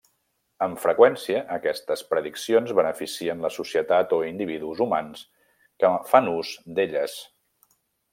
Amb freqüència aquestes prediccions beneficien la societat o individus humans que fan ús d'elles.